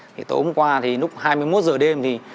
tối hôm qua lúc hai mươi một h đêm